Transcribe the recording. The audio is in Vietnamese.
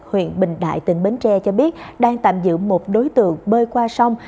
huyện bình đại tỉnh bến tre cho biết đang tạm giữ một đối tượng bơi qua sông